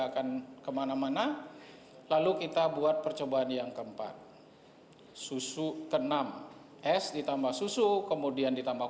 akan kemana mana lalu kita buat percobaan yang keempat susu ke enam es ditambah susu kemudian ditambah